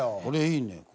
これいいね。